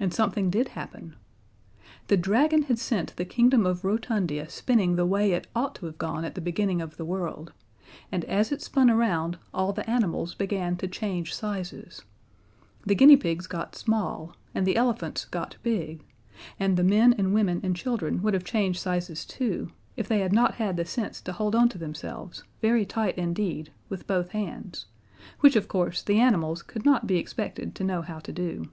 And something did happen. The dragon had sent the kingdom of Rotundia spinning the way it ought to have gone at the beginning of the world, and as it spun around, all the animals began to change sizes. The guinea pigs got small, and the elephants got big, and the men and women and children would have changed sizes too, if they had not had the sense to hold on to themselves, very tight indeed, with both hands; which, of course, the animals could not be expected to know how to do.